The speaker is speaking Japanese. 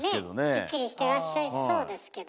きっちりしてらっしゃいそうですけど。